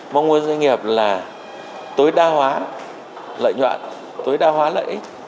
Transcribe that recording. mong muốn doanh nghiệp là tối đa hóa lợi nhuận tối đa hóa lợi ích